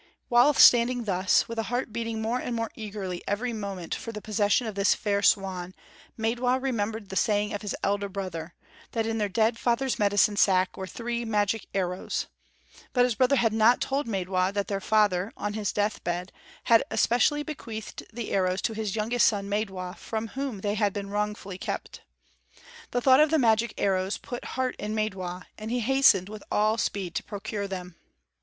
While standing thus, with a heart beating more and more eagerly every moment for the possession of this fair swan, Maidwa remembered the saying of his elder brother, that in their dead father's medicine sack were three magic arrows; but his brother had not told Maidwa that their father, on his death bed, had especially bequeathed the arrows to his youngest son, Maidwa, from whom they had been wrongfully kept. The thought of the magic arrows put heart in Maidwa, and he hastened with all speed to procure them.